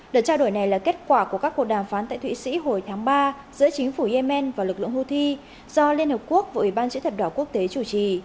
đợt trao đổi này là kết quả của các cuộc đàm phán tại thụy sĩ hồi tháng ba giữa chính phủ yemen và lực lượng houthi do liên hợp quốc và ủy ban chữ thập đỏ quốc tế chủ trì